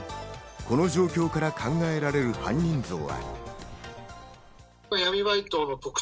この状況から考えられる犯人像は。